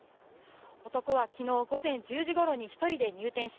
男は昨日午前１０時ごろに１人で入店し